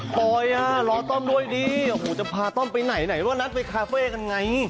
ปลอยล้อต้อมด้วยดีจะพาต้อมไปไหนแล้วนัดไปคาเฟ่กันไง